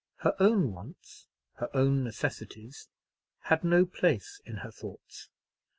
Her own wants, her own necessities, had no place in her thoughts.